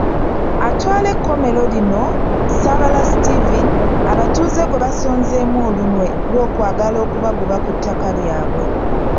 Atwala ekkomero lino, Sabala Steven, abatuuze gwe basonzeemu olunwe lw'okwagala okubagoba ku ttaka lyabwe.